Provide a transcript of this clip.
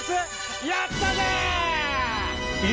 やったぜ！